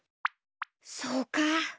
そうか！